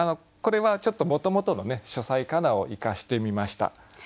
これはちょっともともとの「書斎かな」を生かしてみました。